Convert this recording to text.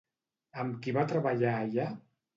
Amb qui va treballar allà?